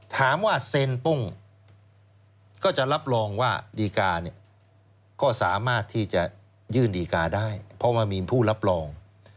ถามว่าเซ็นปุ้งก็จะรับรองว่าดีการเนี่ยก็สามารถที่จะยื่นดีการ์ได้เพราะว่ามีผู้รับรอง